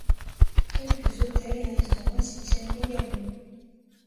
Quelques hôtels et restaurants s'y tiennent également.